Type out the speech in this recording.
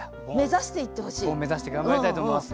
ボン目指して頑張りたいと思います。